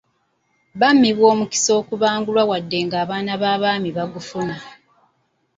Bammibwa omukisa okubangulwa wadde ng'abaana b'abaami baagufuna.